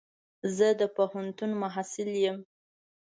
زه د پوهنتون محصل يم.